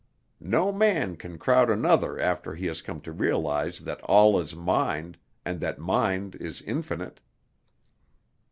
No man can crowd another after he has come to realize that all is mind, and that mind is infinite."